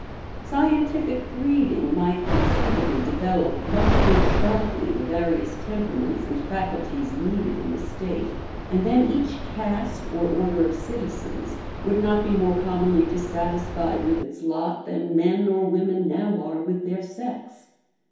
Scientific breeding might conceivably develop much more sharply the various temperaments and faculties needed in the state; and then each caste or order of citizens would not be more commonly dissatisfied with its lot than men or women now are with their sex.